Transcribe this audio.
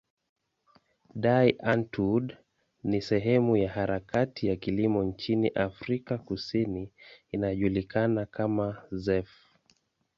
Die Antwoord ni sehemu ya harakati ya kilimo nchini Afrika Kusini inayojulikana kama zef.